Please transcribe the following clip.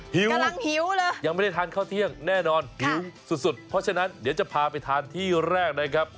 กำลังหิวเลยยังไม่ได้ทานข้าวเที่ยงแน่นอนหิวสุดสุดเพราะฉะนั้นเดี๋ยวจะพาไปทานที่แรกนะครับ